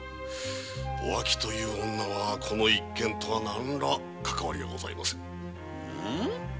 おあきという女はこの一件と何のかかわりもございません。